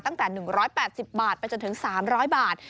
ตั้งแต่๑๘๐บาทไปจนถึง๓๐๐บาท